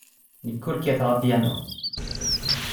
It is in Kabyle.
Nekk ur kkateɣ apyanu.